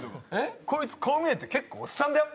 こいつこう見えて結構おっさんだよ？